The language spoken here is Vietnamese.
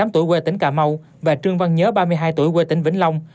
tám mươi tuổi quê tỉnh cà mau và trương văn nhớ ba mươi hai tuổi quê tỉnh vĩnh long